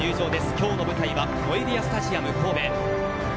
今日の舞台はノエビアスタジアム神戸。